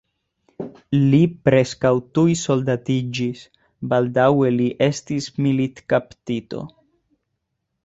Li preskaŭ tuj soldatiĝis, baldaŭe li estis militkaptito.